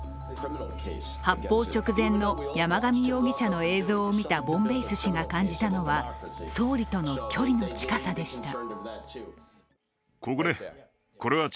発砲直前の山上容疑者の映像を見たボムベイス氏が感じたのは総理との距離の近さでした。